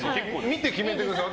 見て決めてください。